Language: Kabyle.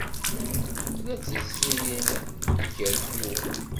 La tezzin igarfiwen.